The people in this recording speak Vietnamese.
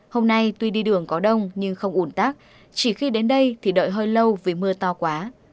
hôm nay tuy đi đường có đông nhưng không ủn tắc chỉ khi đến đây thì đợi hơi lâu vì mưa to quá